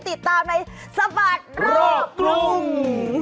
ติดตามในสบายรอบรุ่ง